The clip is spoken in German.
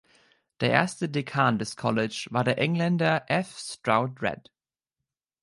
Der erste Dekan des College war der Engländer F. Stroud Read.